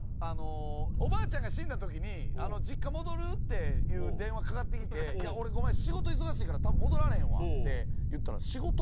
おばあちゃんが死んだ時に「実家戻る？」っていう電話かかってきて「いや俺ごめん仕事忙しいから多分戻られへんわ」って言ったら。